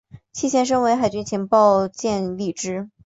其前身为海军情报局建立之。